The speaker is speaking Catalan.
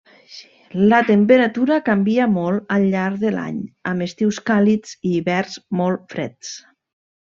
La temperatura canvia molt al llarg de l'any, amb estius càlids i hiverns molt freds.